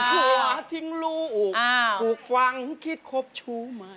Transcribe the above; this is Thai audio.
ลืมหัวทิ้งหลุดหลุดฟังผิดครบชู้ใหม่